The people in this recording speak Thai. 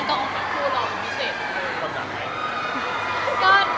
ก็นี้ต้มค่ะ